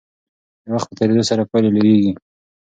د وخت په تیریدو سره پایلې لویېږي.